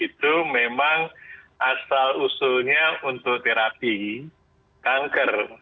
itu memang asal usulnya untuk terapi kanker